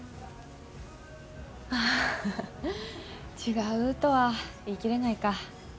ああ違うとは言い切れないか。